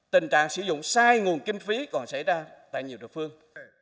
tình trạng sử dụng sai nguồn kinh phí còn xảy ra tại nhiều địa phương